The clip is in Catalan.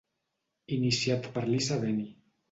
Iniciat per Lisa Bennie.